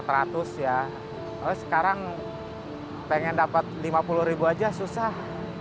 terus sekarang pengen dapat lima puluh ribu aja susah